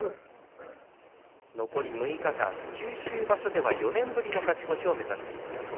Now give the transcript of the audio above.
残り６日間、九州場所では４年ぶりの勝ち越しを目指しています。